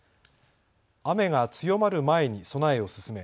雨が強まる前に備えを進め